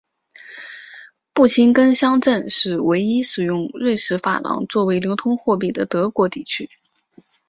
布辛根乡镇是唯一的使用瑞士法郎作为流通货币的德国地区。